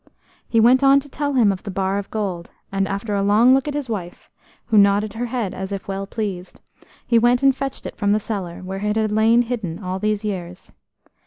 He went on to tell him of the bar of gold, and, after a long look at his wife, who nodded her head as if well pleased, he went and fetched it from the cellar, where it had lain hidden all these years.